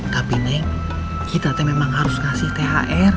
tapi neng kita teh memang harus ngasih thr